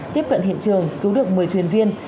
tiếp cận hiện trường cứu được một mươi thuyền viên